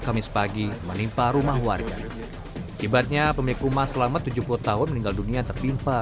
kamis pagi menimpa rumah warga akibatnya pemilik rumah selama tujuh puluh tahun meninggal dunia tertimpa